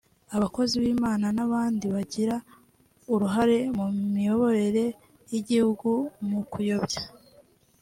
abakozi b’imana n’abandi bagira uruhare mu miyoborere y’igihugu) mu kuyobya